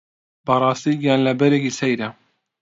بەڕاستی گیانلەبەرێکی سەیرە